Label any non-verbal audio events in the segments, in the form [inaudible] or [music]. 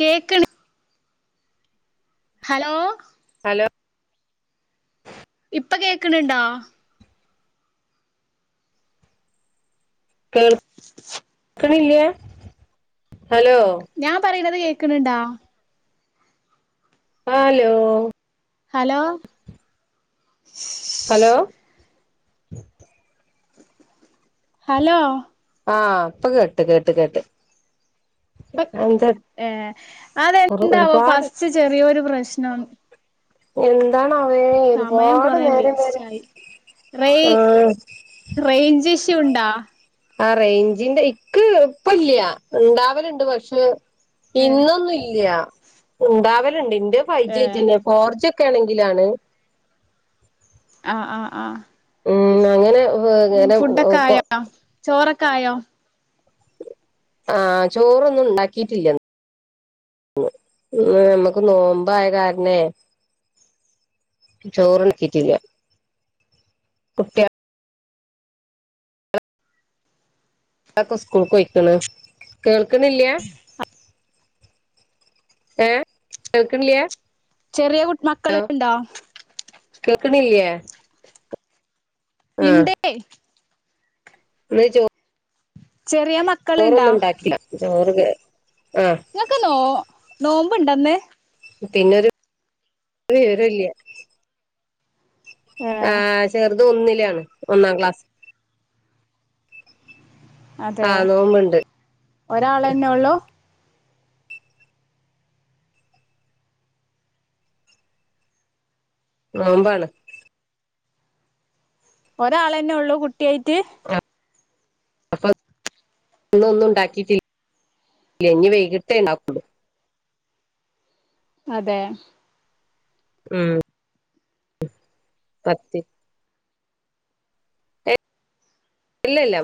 കേക്കണ് hello hello ഇപ്പൊ കേക്കണണ്ടോ കേൾക്കണില്ല ഹലോ ഞാൻ പറയണത് കേക്ക്ണണ്ടോ ഹലോ ഹലോ ഹലോ ഹലോ ആഹ് ഇപ്പ കേട്ട് കേട്ട് കേട്ട് ഇപ്പ എന്താ ഏ അതെന്താവോ ഒരുപാട് ഫസ്റ്റ് ചെറിയൊരു പ്രശ്നം എന്താണവേ ഒരുപാട് നേരം വരെ റൈ ആഹ് റേഞ്ചിഷ്യൂ ഉണ്ടോ ആഹ് റേഞ്ചിന്റെ ഇക്ക് ഇപ്പല്ല്യ ഇണ്ടാവലുണ്ട് പക്ഷെ ഏ ഇന്നൊന്നും ഇല്ല ഇണ്ടാവലുണ്ട് ഇന്റെ ഏ ഫൈവ്ജി ആയിറ്റന്ന്യാ ഫോർജി ഒക്കെ ആണെങ്കിലാണ് ആഹ് ആഹ് ആഹ് ഉം അങ്ങനെ ഉം അങ്ങനെ ഫുഡൊക്കെ ആയോ ചോറൊക്കെ ആയോ ആഹ് ചോറൊന്നും ഉണ്ടാക്കിയിട്ടില്ലന്ന് മേ നമ്മക്ക് നോമ്പായ കാരണേ ചോറ് ഇണ്ടാക്കിറ്റില്ല. കുട്ട്യാ ളക്കെ സ്കൂൾക്ക് പോയ്ക്ക്ണ്. കേൾക്ക്ണില്ല? ഏഹ് കേൾക്ക്ണില്ല്യ? ചെറിയ കു ഹലോ മക്കള്ണ്ടോ കേൾക്ക്ണ്ല്ല്യേ? ഇണ്ടേ വിളിച്ചോ ചെറിയ മ ചോറൊന്നും ഉണ്ടാക്കില്ല, ചോറ് [unintelligible] ആഹ് ഇങ്ങക്ക് നോ നോമ്പ് ഇണ്ടന്ന്. പിന്നൊരു ഒരു വിവരോല്ല്യ ഏ ആ ചെറുത് ഒന്നിലാണ് ഒന്നാം ക്ലാസ അതേ ആ നോമ്പുണ്ട് ഒരാളെന്നെള്ളു. നോമ്പാണ്. ഒരാളന്നെ ഒള്ളൂ കുട്ടി ആയിട്ട്? ആഹ്, അപ്പം ഇന്ന് ഒന്നു ഉണ്ടാക്കിട്ടി ല്ലേ ഇഞ്ഞ് വൈകിട്ടെ ഇണ്ടാക്ക് ഒള്ളൂ. അതെ ഉം, പത്തി ഇല്ല ഇല്ല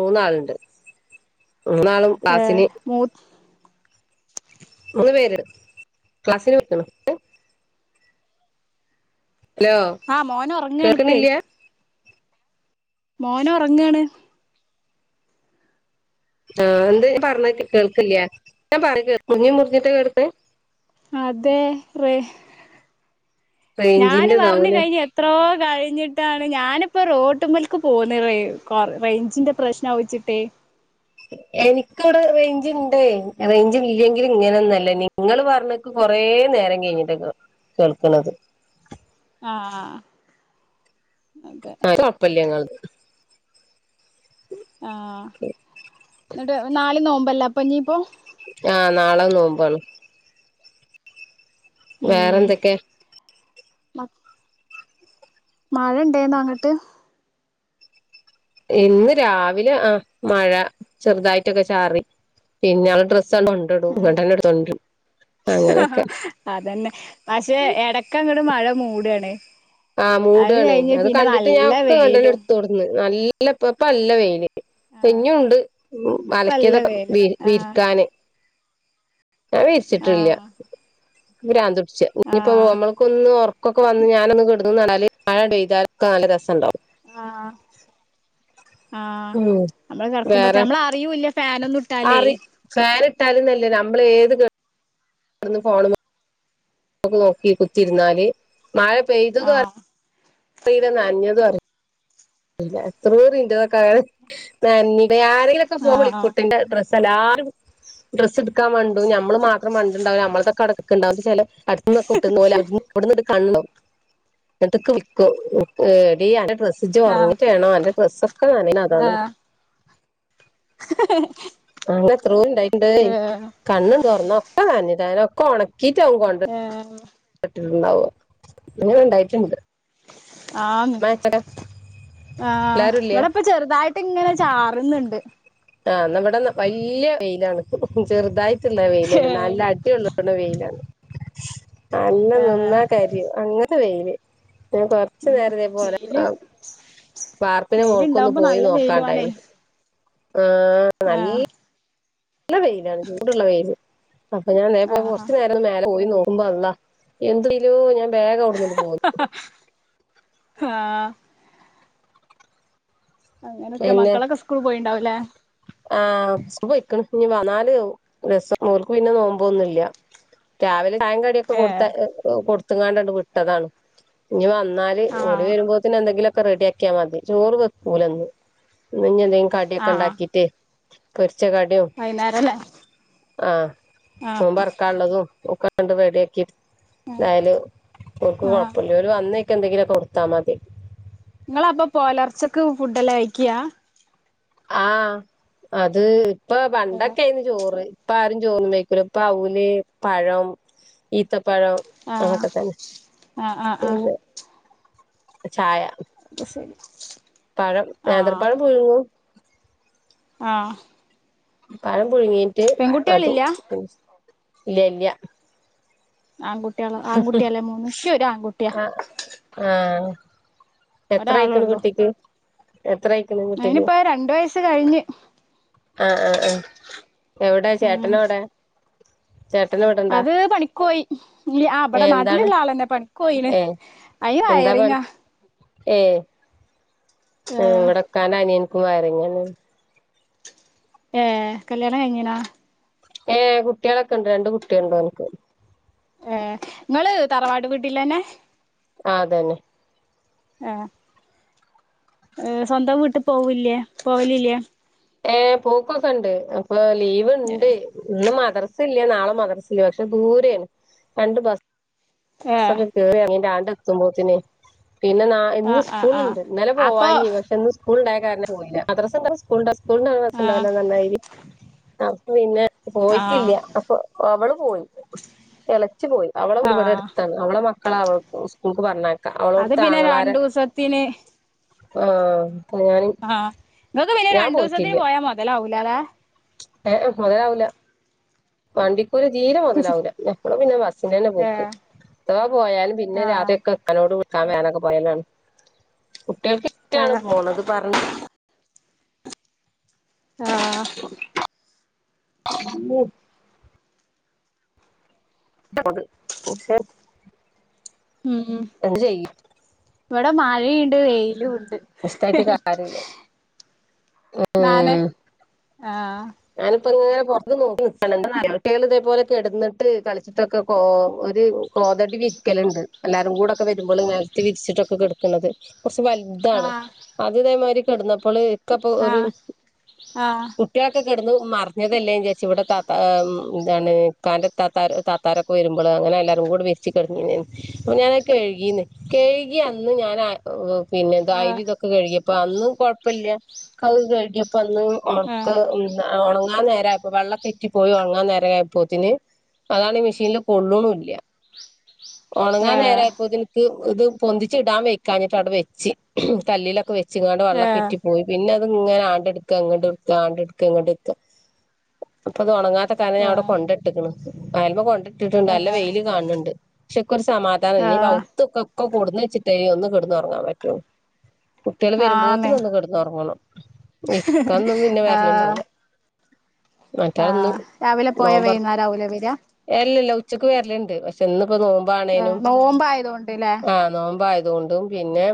മൂന്നാള്ണ്ട്, മൂന്നാളും ക്ലാസില് മൂത് മൂന്ന്പേര് ക്ലാസ്സിന് [unintelligible] ഇങ്ങട്ട് അലോ ആ മോന് ഒറങ്ങാണിപ്പേ. മോന് ഒറങ്ങാണ്. ആ എന്തേ ഇജ് പറഞ്ഞേ കേൾക്കില്ല. ഞാൻ പറയണേ മുറിഞ്ഞു മുറിഞ്ഞിട്ട കേള്ക്ക്ണെ. അതെ റേ ഞാന് റേഞ്ചിന്റെ പറഞ്ഞ് ഇതാവൂല കഴിഞ്ഞ് എ ത്രോ കഴിഞ്ഞിട്ടാണ് ഞാനിപ്പ റോട്ട്മ്മൽക്ക് പോന്ന് റേ കൊ ‌ റേഞ്ചിൻ്റെ പ്രശ്നം ആവുച്ചിട്ട്. എനിക്കിവിടെ റേഞ്ച് ഇണ്ടേ, റേഞ്ച് ഇല്ലെങ്കിലും ഇങ്ങനെ ഒന്നു അല്ല നിങ്ങള് പർഞ്ഞ് ഇൻക്ക് കൊറേനേരം കഴിഞ്ഞിട്ട കേ കേൾക്ക്ണത്. ആഹ് ആഹ് ആഹ് അതെ, ആരു ഒപ്പല്യാ ഇങ്ങൾത് ആഹ് ഇന്നിട്ട് നാല് നോമ്പല്ലേ അപ്പൊ ഇഞ്ഞിപ്പോ. ആഹ്, നാളെ നോമ്പാണ്. വേറെ എന്തൊക്കെ? മ മഴ ഇണ്ടേന്നോ അങ്ങട്ട്? ഇന്ന് രാവിലെ ആഹ്, മഴ ചെറുതായിട്ടൊക്കെ ചാറി. [unintelligible] ഡ്രസ് സം കൊണ്ടടും ഇങ്ങട്ടെന്നെ എടുത്തോണ്ടരും അങ്ങനെയൊക്കെ. അതന്നെ പക്ഷെ, എടക്കങ്ങട് മഴ മൂടാണ്. ആഹ്, മൂട് അത് ആണ്, കഴിഞ്ഞ് അത് പിന്നെ കണ്ടിട്ട് ഞാൻ നല്ല ഒക്കെ ഇങ്ങട്ടെന്നെ വെയിലും എടുത്തോടന്നു നല്ലപ്പ ഇപ്പ നല്ല വെയില്. ആഹ് ഇഞ്ഞൂണ്ട്, മ് ഇപ്പല്ല അലക്കിയതൊക്കെ വെയില് ആഹ് വിരിക്കാന് ഞാൻ വിരിച്ചിട്ടില്ല, ആഹ് ഇക്ക് ഭ്രാന്തുട്ച്ച് ഇഞ്ഞിപ്പോ ആഹ് നമ്മള് ക്കൊന്നു ഉറക്കൊക്കെ വന്ന് ഞാനൊന്ന് കിടന്നാല് മഴണ്ട് പെയ്താല് ഒക്ക നല്ല രസണ്ടാവും. ആഹ്, ആഹ് ഉം നമ്മള് കെടക്കുമ്പോത്ത് വേറെ നമ്മള് അറിയൂല്ല ഫാനൊന്നു ഇ അറി ഫാൻ ഇട്ടാല് ന്നല്ല നമ്മള് ഏത് ഗ ഇബ് [unintelligible] ടന്നു കൊണ്ടക നോക്കി കുത്തിരുന്നാല് മഴ പെയ്തതും ആഹ് അറീയിലാ നനഞ്ഞതും അറീല ഇല്ല എത്ര [unintelligible] ഇ ആരെങ്കിലൊക്കെ ഫോൺ ആഹ് വിളിക്കുട്ടോ എന്റെ - എല്ലാരും ഡ്രസ്സ് എടുക്കാൻ വണ്ടു ഞമ്മള് മാത്രം വന്നിട്ടുണ്ടാവൂല നമ്മള് ഇതൊക്കെ അവിടെക്കണ്ടാവുംണ്ട് ചില- അടുതുന്നൊക്കെ [unintelligible] പോലങ്ങ് കണ്ടോ അതൊക്ക ഏന്റെ [unintelligible] ഇജ്ജ് ആഹ് ഒറങ്ങിട്ടു വേണം അന്റെ ഡ്രസ്സൊക്കെ നനയുന്നേ അതാന്ന്- ആഹ് [inaudible] അങ്ങനത്തെ എത്രോ ഇണ്ടായിണ്ട് ഏഹ് കണ്ണും തൊറന്ന് ഒക്കെ നനഞ്ഞിട്ട് അങ്ങനെ ഒക്കെ ഒണക്കിട്ട ആവും അവൻ കൊണ്ട് - ഏഹ് കിട്ടിട്ടുണ്ടാവുക അങ്ങനെ ഉണ്ടായിട്ടുണ്ട് ആന് മാച്ചക്ക ആഹ് എല്ലാരും ഇല്ലേ ഇവിടെയിപ്പ ചെറുതായിട്ട്- ഇപ്പ ഇങ്ങനെ ചാറുന്നുണ്ട് ആ എന്നാ ഇവിടെ നമ്മടെ വലിയ വെയിലാണ് ചെറുതായിട്ടുള്ള വെയിലല്ല ഏഹ് നല്ല അടിള്ള- വെയിലാണ് നന്നെ ഏഹ് നിന്നാൽ കരിയും അങ്ങന - തെളച്ച വെയില് ഉം വെയില് വാർപ്പിന്റയ് മോൾക്കൊന്ന് വെയിലുണ്ടാവുമ്പോ പോയി നല്ല വെയിലു ആണേ നോക്കാണ്ടായിന്ന് ആഹ് ആഹ് നല്ല വെയിലാണ് ചൂടുള്ള വെയിയില് അപ്പൊ ഞാൻ നേ പോ ആഹ് കൊറച്ചു നേരം ഒന്ന് മേലെ പോയി നോക്കുമ്പോ അള്ളാ എന്തലോ ഞാൻ വേഗം അവിടുന്ന് ഇങ്ങോട്ട് പോന്നു ആഹ് അങ്ങനെയൊക്കെ പിന്നെ മക്കളൊക്കെ സ്കൂൾ പോയിയുണ്ടാവും അല്ലേ ആഹ് സ്കൂളിൽ പോയേക്ക്ണ് ഇനി വന്നാല് രസം ഓർക്ക് പിന്നെ നോമ്പ് ഒന്നുമില്ല രാവിലെ ചായേം കടിയൊക്കെ കൊടുത്ത ഏഹ് കൊടുത്തങ്ങാണ്ടണ്ട് വിട്ടതാണ് ഇനി വന്നാല- ഓല് ആഹ് വരുമ്പോ തന്നെ എന്തെിലൊക്കെ റെഡി ആക്കിയാൽ മതി ചോറ് വെക്കുക അന്ന് ഇനി എന്തെങ്കിലും കടിയൊക്കെ ഒണ്ടാക്കീട്ടേ കൊറച്ച് കടിയും - വൈന്നേരം അല്ലേ ആഹ് മീൻ വറക്കാനുള്ളതും ഒക്കെ അങ്ങട് റെഡി ആക്കി- എന്തായാലും ഓലക്ക് ആഹ് കൊഴപ്പമില്ല ഓല് വന്നേക്ക എന്തെങ്കിലൊക്കെ കൊടുത്താൽ മതി നിങ്ങള് അപ്പൊ പോലർച്ചക്ക് ഫുഡ് അല്ലെ കഴിക്കിയാ ആഹ് അത് ഇപ്പൊ ആഹ് പണ്ടൊക്കെ ആയിറരുന്ന് ചോറ്- ഇപ്പ ആരും ചോറ് ഒന്നും വക്കൂല ഇപ്പ അവല് പഴം ഈത്തപ്പഴം- ആഹ് അവിട്ടത്തിന് ആഹ് ആഹ് ആഹ് പിന്നെ- ചായ അത് ശരി പഴം നേതത്ര ആഹ് പഴം പഴുങ്ങും ആഹ് പഴം പുഴുങ്ങിട്ട് അതും പെൺകുട്ടികളില്ല ഇല്ലിയ ഇല്ലിയ ആൺകുട്ടികള് ആൺകുട്ടിയല്ലേ മൂന് എനിക്ക് ഒരു ആൺകുട്ടിയാ ആ ആഹ് ഒരാളെ എത്രയായിക്കണ് കുട്ടിക്ക് എത്രയാക്കണ് അനിപ്പോ രണ്ടു വയസ്‌ കഴിഞ്ഞ് ആഹ് ആഹ് ആഹ് എവിടെ ചേട്ടൻ ഉം എവിടെ ചേട്ടൻ എവിടെ അത് പണിക്ക് പോയി ഇവിടെ എന്താണ് നാട്ടിലുള്ള ആള് തന്നെ പണിക്ക് പോയിന് ആ വയറിങ്ങാ ഏഹ് ഏഹ് ഇവിടെ ഇക്കാന്റെ അനിയനിക്കും വയറിങ്ങാണ് ഏഹ് കല്യാണം കഴിഞ്ഞിണോ എങ്ങനാ ഏ കുട്ടികളൊക്കെ ഇണ്ട് രണ്ട് കുട്ടിയുണ്ട് ഒന്ക്ക് ഏ നിങ്ങള് തറവാട് വീട്ടിലന്നെ ആതന്നെ ഏ ഏ സ്വന്തം വീട്ട് പോവൂല്ലേ പോവലില്ലേ ഏ പോക്കൊക്കെ ഇണ്ട് അപ്പൊ ലീവ് ഇണ്ട് ഏഹ് ഇന്ന് മദ്രസ ഇല്ലേ നാളെ മദ്രസല്ല പക്ഷെ ദൂരാണ് രണ്ട് ബ സക്കെ ആഹ് കേറിങ്ങണ്ട്‌ ആൻഡ് എത്തുമ്പോത്തിനെ പിന്നെ ന ഇന്ന് ആഹ് ആഹ് സ്കൂളിണ്ട് ഇന്നാലെ അപ്പൊ പോവാഞ്ഞ പക്ഷെ ഇന്ന് സ്കൂള ഉണ്ടായ കാരണം ഞാൻ പോയില്ല മദ്രസ ഉണ്ടായ സ്കൂൾ ഉണ്ടാവും സ് തൊണ്ട ങ്ങനെ ആഹ് രസണ്ടാവൂല ന്ന മായിരി അപ്പ പിന്നെ ആഹ് പോയിട്ടില്ല അപ്പൊ അവള് പോയി ഇലച്ചി പോയി അവളെവിടുവടെ ആഹ് അടുത്താണ് അവളെ അവ സ്കൂൾക്ക് പറഞ്ഞ ക്ക അവളടു അത് ത്തെ പിന്നെ അങ്ങളാര രണ്ടൂസത്തിന് ആഹ ആഹ് നിങ്ങക്ക് പിന്നെ രണ്ടു ദിവസത്തിന് പോയാ മുതലാവൂല ല്ലേ ഏ മോതലാവുല വണ്ടി ഇകുറി തീരെ മുതലാവൂല്ല എപ്പോഴും പിന്നെ ബസ്സിനന്നെ പോക്ക് ഏഹ് അഥവാ പോയാലും പിന്നെ ആഹ് രാതക്കെ നോട് വിക്കൻ വോനൊക്കെ പോയലാണ് കുട്ടികൾക്ക് ഇഷ്ടാണ് ആഹ് പോണത് പറഞ്ഞഞ് ആഹ് ഇല്ലേ [unintelligible] ക്ഷെ ഉം [unintelligible] ചെയ്യ് ഇവിടെ മഴയുണ്ട് വെയിലും ഉണ്ട് ഇഷ്ടായിറ്റ് കറില്ല ഹെ നാന് ആഹ് ഞാനിപ്പോ ഇങ്ങനെ പുറത്ത് നോക്കി നിക്കണ് യെന്തനറിയോ കുട്ടിയാൽ ഇതേപോലെ കെടന്നിട്ട് കളിച്ചിട്ടൊക്കെ കോ ഒരു കോതടി വിരിക്കലുണ്ട് എല്ലാരും കൂടെക്കെ വരുമ്പോൾ നിലത്ത് വിരിച്ചിട്ടൊക്കെ കെടക്കണത് കുറച്ച് വലുതാണ് ആഹ് അതിതേമാതിരി കിടന്നപ്പോള് ഇക്കെപ്പ ഒരു ആഹ് ആഹ് കുട്ടികളൊക്കെ കിടന്ന് മറിഞ്ഞതല്ലേ വിചാരിച് ഇവിടെ ത ഇതാണ്ന്റെ ഹെ യെന്താണ് ഇക്കാന്റെ ഇതാത്തര് ത്ത താരൊക്ക വരുമ്പോൾ അങ്ങനെ എല്ലാരും കൂടി വിരിച് കേട്ന്നിനെന്നു അപ്പ ഞാനത് കഴുകീന്ന് കഴുകി അന്ന് ഞാൻ അ ഹെ പിന്നെ ആയിരി ആഹ് ഇതൊക്കെ കഴുകിയപ്പ അന്നും കുഴപ്പില്ല ക കഴിക്ക ഇപ്പന്ന് ആഹ് ഉക്ക് ഉണങ്ങാൻ നേര ആപ്പോ വെള്ളം ഉറ്റി പോയി ഉണങ്ങാൻ നേര ആയപ്പോതിന് അതാണ് ഈ മെഷീനില് കൊള്ളൂനി ഇല്ല ഉണങ്ങാൻ ഏഹ് നേരായപ്പോ നിനിക്ക് ഇത് പൊന്തിച്ച ഇടാൻ വെക്കാഞ്ഞിട്ട് അവിടെ വെച്ച് കല്ലിലൊക്കെ വെ ഉച്ചിങ്ങാണ്ട് വെള്ളം കെ ഏഹ് ഇറ്റി പോയി പിന്നെ അത് ഇങ്ങനെ ആണ്ട്‌ എടുക്ക ഇങ്ങോ എടുക്ക ആണ്ടെടുക്ക ഇങ്ങോ എടുക്ക അപ്പൊ അത് ഉണങ്ങാത്ത കാരണം ഞാൻ ഏഹ് അവിടെ കൊണ്ട ഇട്ടിക്കണ് അയല്മേ കൊണ്ട ഇട്ടിട്ടുണ്ട് നല്ല ഏഹ് വെയില് കാനുന്നുണ്ട് പക്ഷെക്കെ ഒരു സമാധാനം ഇല്ല ഇന്നി ആഹ് അഹുത്ത്ക്കെ ഒക്കെ കൊടന്ന് വെച്ചിട്ട ഒന്ന് കിടന്ന്റങ്ങാൻ പറ്റോ കുട്ടിള് വരുമ്പോത്തിന് ആന്ന് ഒന്ന് കിടന്ന് ഉറങ്ങണം ഇക്കന്നും പിന്നെ ആഹ് വേരലുംണ്ടാവൂല്ല ആഹ് രാവിലെ പോയാ വൈകുന്നേരം ആവുല്ലേ വരാ അല്ല ഇല്ല ഉച്ചക്ക് വരലുണ്ട് പക്ഷെ ഇന്ന് ഇപ്പോ നോ ഏഹ് ണേനും നോമ്പായതോണ്ട്ല്ലേ ആ നോമ്പ ആതുകൊണ്ടും പിന്നെ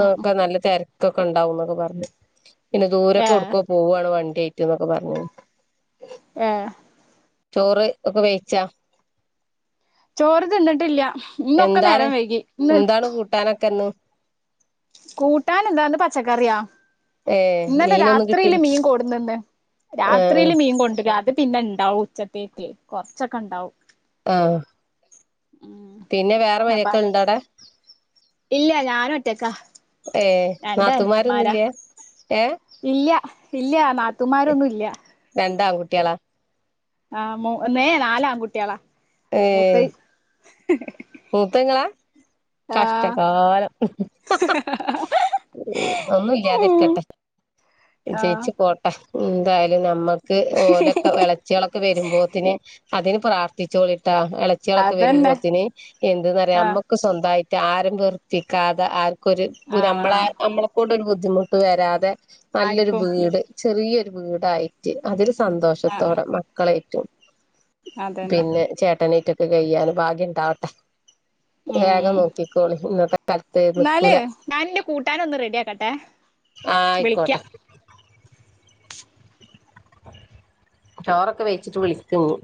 ഉം ഉം നല്ല തിരക്കൊക്കെ ഇണ്ടാവുന്നെക്കെ പറഞ്ഞ് പിന്നെ ദൂരൊക്കെ ഏഹ് കൊടുക്കെ പോവാണ് വണ്ടി ഐറ്റ് എന്നൊക്കെ പറഞ് ആഹ് ചോറ് ഒക്കെ വേയിച്ചാ ചോറ് തിന്നിട്ടില്ല ഇന്നൊക്കെ നേരം വൈകി ഇന്ന് ട്ടനക്കുന്നു കൂട്ടാൻ എന്താന്ന് പച്ചക്കറിയാ ഏഹ് ഇന്നലെ മീനൊന്നും രാത്രിയില് കിട്ടില്ല മീൻ കൊടുന്നുണ്ട് ആഹ് രാത്രിയില് മീൻ കൊണ്ട രാത്രി പിന്നെ ഇണ്ടാവും ഉച്ചത്തേക്ക് കൊറച്ചൊക്കെ ഉണ്ടാവും ആഹ് പിന്നെ വേറെ അപ്പ മഴയൊക്ക ഉണ്ടോ അവിടെ ഇല്ല ഞാൻ ഒറ്റേക്കാ ഏ് നാത്തൂൻമാരൊന്നുമില്ല ഏഹ് ഇല്ല ഇല്ല നാത്തുമാരൊന്നും ഇല്ല രണ്ടാൺകുട്ടികള ആഹ് നാല ആൺകുട്ടികളാ മൂത്ത മൂത്തുങ്ങളാ ആഹ് കഷ്ടകാലം ഉ ഒന്നുംല്ലാതിരിക്കട്ടെ ആഹ് ചേച്ചി കൊ എന്തായാലും നമ്മുക്ക് ഓലക്കെ വിള ഇച്ചികളൊക്കെ വരുമ്പോത്തിന് അതിന് പ്രാർത്ഥിച്ചോളിട്ടാ ഇളച്ചികളൊക്കെ അതന്നെ വരുമ്പോത്തിന് എന്തന്ന്പറയാ ആഹ് നമ്മക്ക് സ്വന്തമായിട്ട് ആരെയും വെറുപ്പിക്കാതെ ആർക്കൊരു നമ്മള ആഹ് നമ്മളെ കൊണ്ട് ഒരു ബുദ്ധിമുട്ട് വരാതെ നല്ലൊരു ആരിക്കും ഉം വീട് ചെറിയൊരു വീടായി അതിൽ ആഹ് സന്തോഷത്തോടെ മക്കളേറ്റും അതന്നെ പിന്നെ ചേട്ടനേറ്റൊക്കെ കയ്യാല് ഭാഗ്യണ്ട വേഗം ഉം നോക്കിക്കോളി ഇന്നത്തെ കാലത്ത് എന്നാലേ നിക്കൂല ഞാൻ എന്റെ കൂട്ടാനൊന്ന് റെഡിയാക്കട്ടെ ആ ആയിക്കോട്ടെ വിളിക്കാം ചോറൊക്കെ വെച്ചിട്ട് വിളിക്കുന്നു